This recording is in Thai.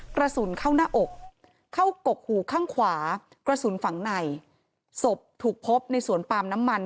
กระสุนเข้าหน้าอกเข้ากกหูข้างขวากระสุนฝังในศพถูกพบในสวนปาล์มน้ำมัน